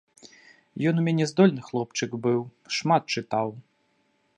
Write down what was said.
Ён у мяне здольны хлопчык быў, шмат чытаў.